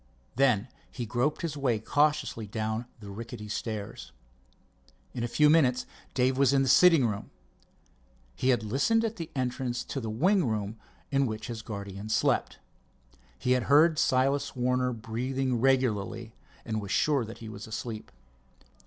Then he groped his way cautiously down the rickety stairs. In a few minutes Dave was in the sitting room. He had listened at the entrance to the wing room in which his guardian slept. He had heard Silas Warner breathing regularly, and was sure that he was asleep.